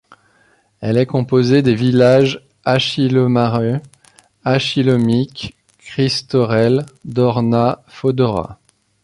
Elle est composée des villages Așchileu Mare, Așchileu Mic, Cristorel, Dorna, Fodora.